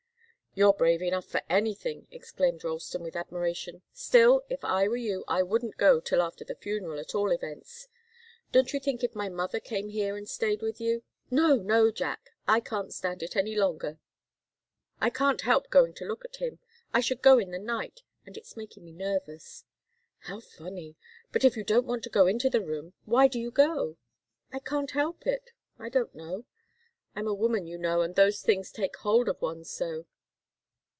"You're brave enough for anything!" exclaimed Ralston, with admiration. "Still, if I were you, I wouldn't go till after the funeral, at all events. Don't you think if my mother came here and stayed with you " "No, no, Jack! I can't stand it any longer. I can't help going to look at him I should go in the night and it's making me nervous." "How funny! But if you don't want to go into the room, why do you go?" "I can't help it I don't know. I'm a woman, you know, and those things take hold of one so!"